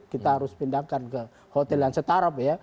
kita harus pindahkan ke hotel yang setara ya